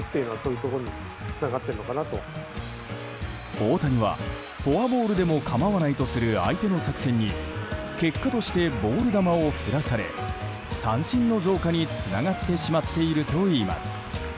大谷は、フォアボールでも構わないとする相手の作戦に結果としてボール球を振らされ三振の増加につながってしまっているといいます。